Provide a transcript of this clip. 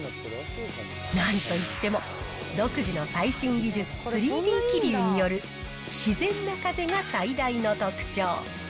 なんといっても独自の最新技術、３Ｄ気流による自然な風が最大の特徴。